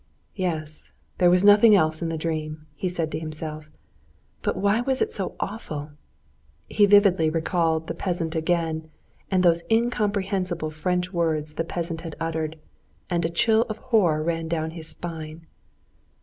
Yes, there was nothing else in the dream," he said to himself. "But why was it so awful?" He vividly recalled the peasant again and those incomprehensible French words the peasant had uttered, and a chill of horror ran down his spine.